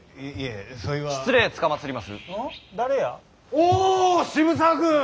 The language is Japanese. おぉ渋沢君。